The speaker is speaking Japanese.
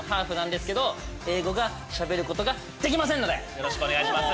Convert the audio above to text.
よろしくお願いします。